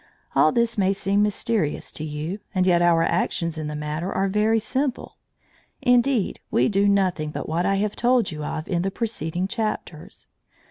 All this may seem mysterious to you, and yet our actions in the matter are very simple. Indeed, we do nothing but what I have told you of in the preceding chapters.